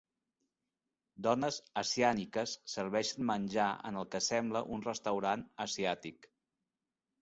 Dones asiàniques serveixen menjar en el que sembla un restaurant asiàtic.